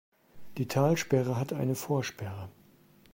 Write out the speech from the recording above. Die Talsperre hat eine Vorsperre.